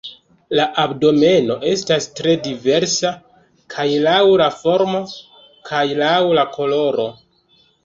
La abdomeno estas tre diversa, kaj laŭ la formo kaj laŭ la koloro.